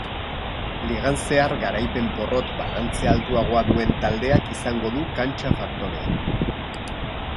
Ligan zehar garaipen-porrot balantze altuagoa duen taldeak izango du kantxa-faktorea.